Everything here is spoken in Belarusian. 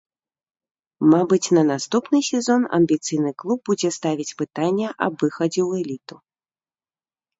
Мабыць, на наступны сезон амбіцыйны клуб будзе ставіць пытанне аб выхадзе ў эліту.